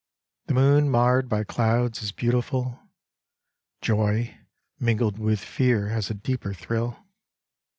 The moon marred by clouds is beautiful : Joy mingled with fear has a deeper thrill.